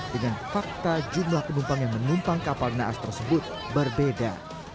dengan fakta jumlah penumpang yang menumpang kapal naas tersebut berbeda